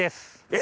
え！